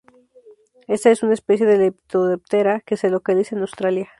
Esta es una especie de Lepidoptera que se localiza en Australia.